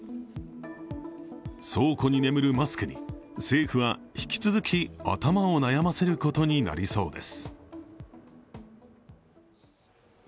倉庫に眠るマスクに政府は引き続き頭を悩ませることになりそうです。